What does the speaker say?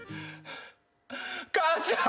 母ちゃん！